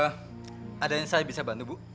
ada yang saya bisa bantu bu